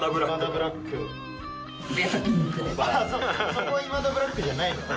そこは今田ブラックじゃないのね。